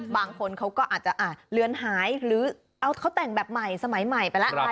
บางคนเขาก็อาจจะเลือนหายหรือเขาแต่งแบบใหม่สมัยใหม่ไปแล้ว